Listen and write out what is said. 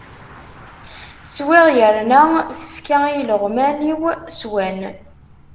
Swiɣ, yerna tefka i ileɣwman-iw, swan.